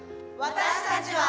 「私たちは」。